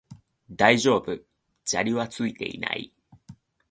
大丈夫、砂利はついていない